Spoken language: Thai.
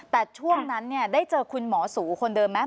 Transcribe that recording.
แต่ช่วงนั้นได้เจอคุณหมอสูคนเดิมไหม